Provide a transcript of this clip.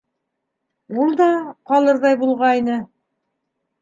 Ул да ҡалырҙай булғайны.